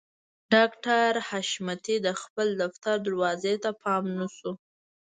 ډاکټر حشمتي د خپل دفتر دروازې ته پام نه شو